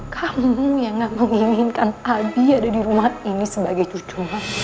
kamu yang gak menginginkan abi ada di rumah ini sebagai cucu